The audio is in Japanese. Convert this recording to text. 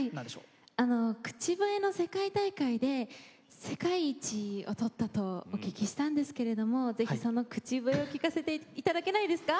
口笛の世界大会で世界一を取ったとお聞きしたんですけれどもぜひその口笛を聴かせていただけないですか。